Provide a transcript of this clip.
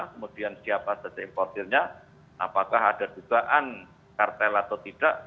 kemudian siapa saja importernya apakah ada dugaan kartel atau tidak